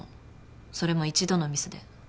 それも一度のミスで。